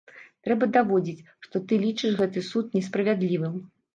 Трэба даводзіць, што ты лічыш гэты суд несправядлівым.